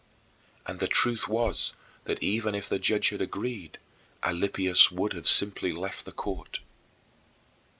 And the truth was that even if the judge had agreed, Alypius would have simply left the court.